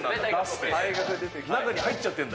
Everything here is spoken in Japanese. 中に入っちゃてるんだ？